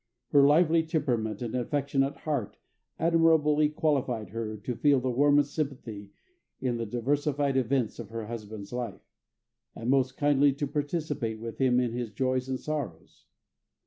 Her lively temperament and affectionate heart admirably qualified her to feel the warmest sympathy in the diversified events of her husband's life, and most kindly to participate with him in his joys and sorrows.